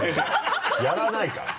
やらないから！